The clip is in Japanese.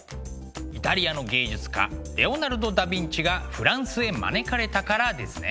イタリアの芸術家レオナルド・ダ・ヴィンチがフランスへ招かれたからですね。